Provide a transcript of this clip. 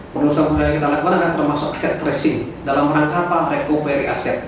penelusuran penelusuran yang kita lakukan adalah termasuk set tracing dalam rangka pang recovery aset